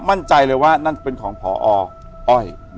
มั่นใจเลยว่านั่นเป็นของพออ้อย